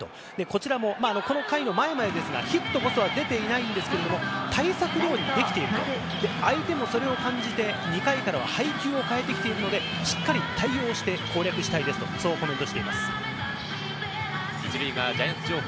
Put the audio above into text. こちらもこの回の前までですが、ヒットこそ出ていないんですけど、対策もできていると、相手もそれを感じて２回からは配球を変えてきているので、しっかり対応して攻略したいですとコメントしています。